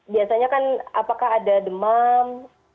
biasanya kan apakah ada demam